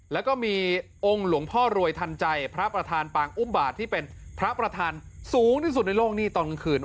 แล้วก็มีองค์หลวงพ่อรวยทันใจพระประธานปางอุ้มบาทที่เป็นพระประธานสูงที่สุดในโลกนี้ตอนกลางคืน